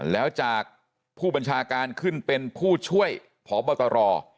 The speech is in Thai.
แล้วจากผู้บัญชาการขึ้นเป็นผู้ช่วยพบตร